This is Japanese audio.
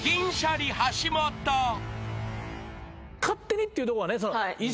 「勝手に」っていうとこがね。